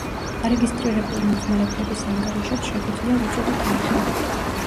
დარეგისტრირებული მომხმარებლების ანგარიშებს შეგვიძლია ვუწოდოთ „არხები“.